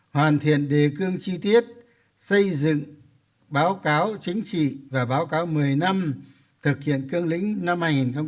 hoàn thiện đề cương chi tiết xây dựng báo cáo chính trị và báo cáo một mươi năm thực hiện cương lĩnh năm hai nghìn một mươi một